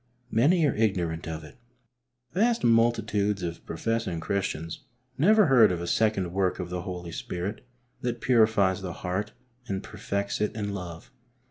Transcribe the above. Many are ignorant of it. Vast multitudes of professing Christians never heard of a second work of the Holy Spirit that purifies the heart and perfects it in love.